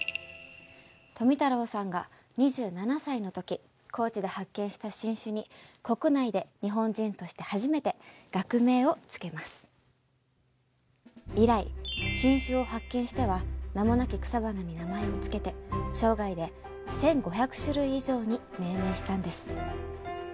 富太郎さんが２７歳の時高知で発見した新種に以来新種を発見しては名もなき草花に名前を付けて生涯で１，５００種類以上に命名したんです。